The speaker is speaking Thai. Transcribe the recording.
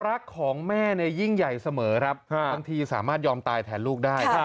รักของแม่เนี่ยยิ่งใหญ่เสมอครับบางทีสามารถยอมตายแทนลูกได้